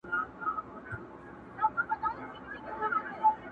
بس دعوه یې بې له شرطه و ګټله,